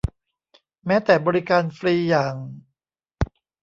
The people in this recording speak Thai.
แม้แต่บริการฟรีอย่าง